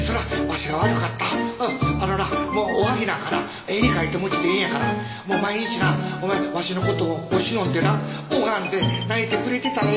あのなもうおはぎなんかな絵に描いた餅でええんやからもう毎日なお前わしのことをしのんでな拝んで泣いてくれてたらええねんから。